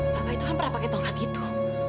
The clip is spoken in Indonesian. bapak itu kan pernah pakai tongkat itu